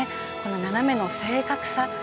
斜めの正確さ。